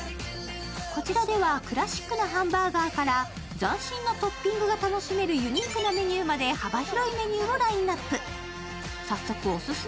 こちらでは、クラシックなハンバーガーから斬新なトッピングが楽しめるユニークなメニューまで、幅広いメニューをラインナップ。